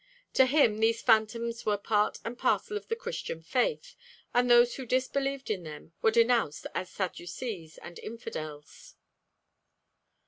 To him these phantoms were part and parcel of the Christian faith, and those who disbelieved in them were denounced as Sadducees and infidels.